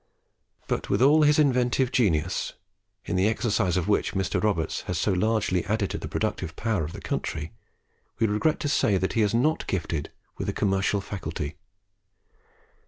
But with all his inventive genius, in the exercise of which Mr. Roberts has so largely added to the productive power of the country, we regret to say that he is not gifted with the commercial faculty.